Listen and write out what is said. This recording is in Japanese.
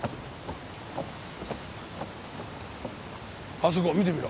あそこ見てみろ。